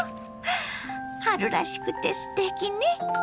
春らしくてすてきね！